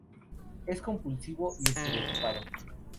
Es compulsivo y estereotipado.